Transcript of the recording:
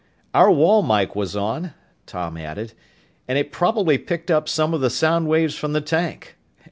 "Our wall mike was on," Tom added, "and it probably picked up some of the sound waves from the tank.